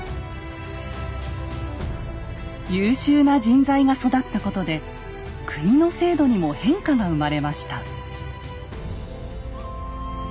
優秀な人材が育ったことで国の制度にも変化が生まれました。